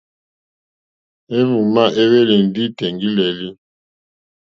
Éhwùmá éhwélì ndí tèŋɡí!lélí.